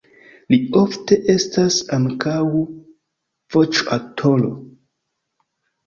Li ofte estas ankaŭ voĉoaktoro.